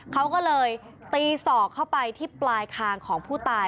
เขาก็เลยตีศอกเข้าไปที่ปลายคางของผู้ตาย